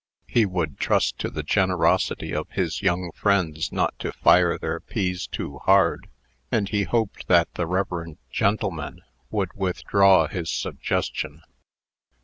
He would trust to the generosity of his young friends not to fire their peas too hard; and he hoped that the reverend gentleman would withdraw his suggestion.